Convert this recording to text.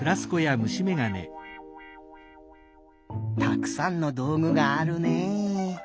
たくさんのどうぐがあるね。